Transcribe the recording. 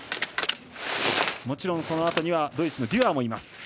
もちろん、そのあとにはドイツのデュアーもいます。